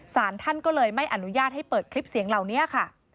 สารท่านก็เลยไม่อนุญาตให้เปิดคลิปเสียงเหล่านี้ค่ะ